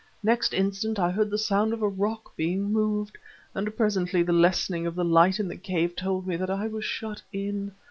Next instant I heard the sound of a rock being moved, and presently the lessening of the light in the cave told me that I was shut in.